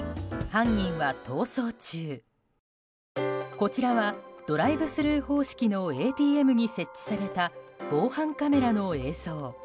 こちらはドライブスルー方式のＡＴＭに設置された防犯カメラの映像。